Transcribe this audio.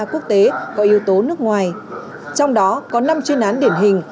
quốc tế có yếu tố nước ngoài trong đó có năm chuyên án điển hình